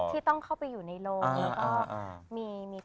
ที่ต้องเข้าไปอยู่ในโลก